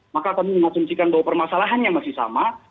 maka kami mengasumsikan bahwa permasalahannya masih sama